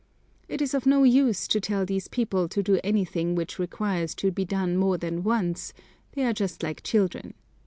It is of no use to tell these people to do anything which requires to be done more than once: they are just like children.